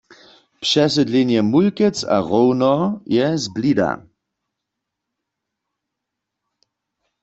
Přesydlenje Mulkec a Rownoho je z blida.